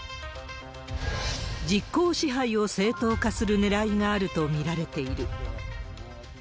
実効支配を正当化するねらいがあると見られている。